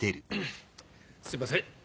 すいません